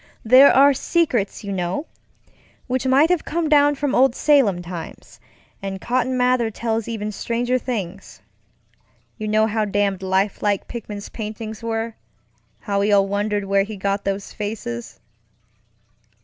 There are secrets, you know, which might have come down from old Salem times, and Cotton Mather tells even stranger things. You know how damned lifelike Pickman's paintings wereŌĆöhow we all wondered where he got those faces.